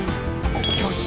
「よし！